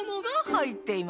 はい！